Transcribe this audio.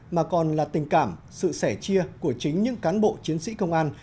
mà còn là tình cảm sự sẻ chia của chính những cán bộ chiến sĩ công an